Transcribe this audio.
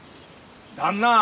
旦那！